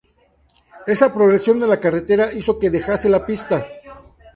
Esa progresión en la carretera hizo que dejase la pista.